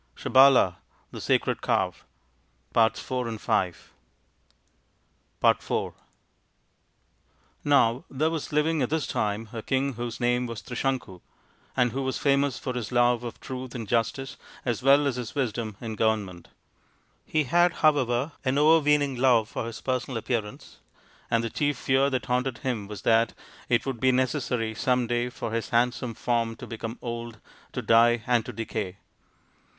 SABALA, THE SACRED COW 213 IV Now there was living at this time a king whose name was Trisanku, and who was famous for his love of truth and justice as well as his wisdom in govern ment. He had, however, an overweening love for his personal appearance, and the chief fear that haunted him was that it would be necessary some day for his handsome form to become old, to die and to decay.